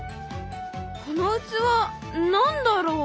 この器何だろう？